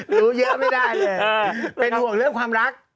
รู้เยอะไม่ได้เลยเป็นห่วงเรื่องความรัก